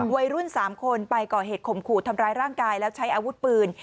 วัยรุ่น๓คนไปก่อเหตุข่มขู่ทำร้ายร่างกายแล้วใช้อาวุธปืน